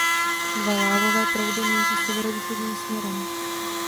Dva lávové proudy míří severovýchodním směrem.